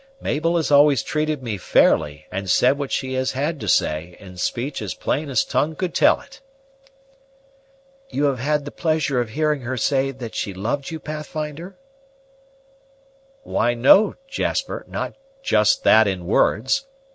Mabel has always treated me fairly, and said what she has had to say in speech as plain as tongue could tell it." "You have had the pleasure of hearing her say that she loved you, Pathfinder?" "Why, no, Jasper, not just that in words.